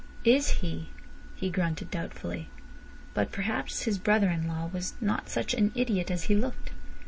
"Is he?" he grunted doubtfully. But perhaps his brother in law was not such an idiot as he looked.